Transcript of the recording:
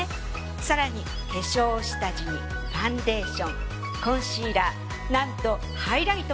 更に化粧下地にファンデーションコンシーラーなんとハイライトまで。